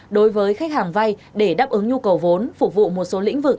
đối với khách hàng vay để đáp ứng nhu cầu vốn phục vụ một số lĩnh vực